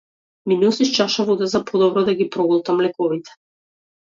Ми носиш чаша вода за подобро да ги проголтам лековите.